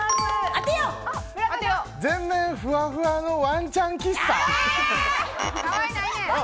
全面ふわふわのワンちゃん喫茶。